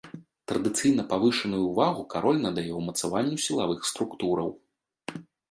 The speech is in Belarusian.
Традыцыйна павышаную ўвагу кароль надае ўмацаванню сілавых структураў.